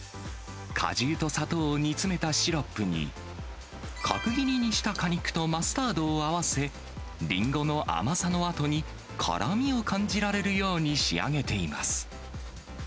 果汁と砂糖を煮詰めたシロップに、角切りにした果肉とマスタードを合わせ、リンゴの甘さのあとに、辛みを感じられるように仕上げています。